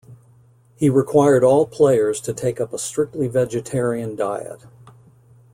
He required all players to take up a strictly vegetarian diet.